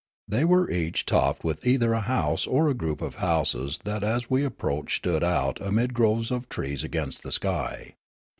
They were each topped with either a house or a group of houses that as we approached stood out amid groves of trees against the sky.